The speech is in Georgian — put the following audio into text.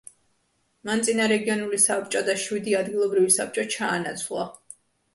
მან წინა რეგიონული საბჭო და შვიდი ადგილობრივი საბჭო ჩაანაცვლა.